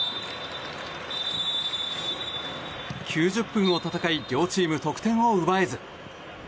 ９０分を戦い両チーム得点を奪えず。